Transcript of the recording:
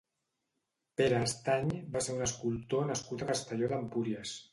Pere Estany va ser un escultor nascut a Castelló d'Empúries.